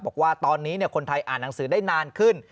บอกว่าตอนนี้คนไทยอ่านหนังสือได้นานขึ้น